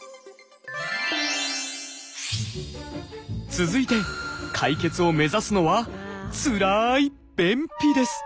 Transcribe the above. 続いて解決を目指すのはつらい便秘です。